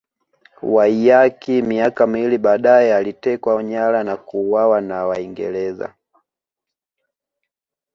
Waiyaki miaka miwili baadaye alitekwa nyara na kuuawa na Waingereza